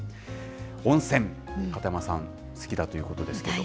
温泉、片山さん、好きだということですけど。